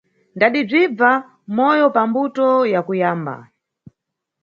Ndadibzibva, moyo pambuto ya kuyamba.